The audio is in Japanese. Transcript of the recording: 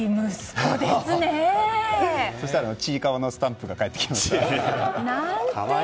そしたらちいかわのスタンプが返ってきました。